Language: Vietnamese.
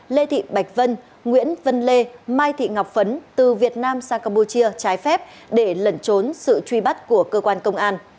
lê thị bạch vân nguyễn vân lê mai thị ngọc phấn từ việt nam sang campuchia trái phép để lẩn trốn sự truy bắt của cơ quan công an